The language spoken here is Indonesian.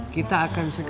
kita akan segera